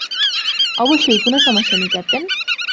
অবশ্যই, কোন সমস্যা নেই, ক্যাপ্টেন।